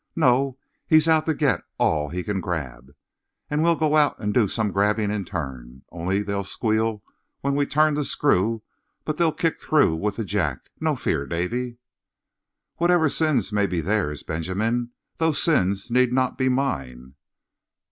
No, he's out to get all that he can grab. And we'll go out and do some grabbing in turn. Oh, they'll squeal when we turn the screw, but they'll kick through with the jack. No fear, Davie!" "Whatever sins may be theirs, Benjamin, those sins need not be mine."